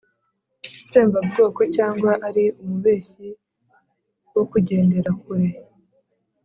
itsembabwoko cyangwa ari umubeshyi wo kugendera kure?